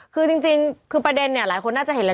คือจริงคือประเด็นเนี่ยหลายคนน่าจะเห็นแล้ว